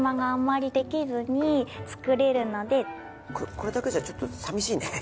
これだけじゃちょっと寂しいね。